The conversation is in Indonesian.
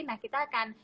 nah kita akan